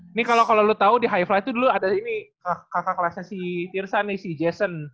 ini kalo lo tau di high fly tuh dulu ada ini kakak kakak kelasnya si tirsan nih si jason